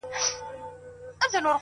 راته شعرونه ښكاري؛